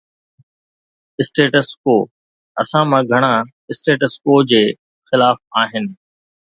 Status Quo اسان مان گھڻا اسٽيٽس ڪو جي خلاف آھن.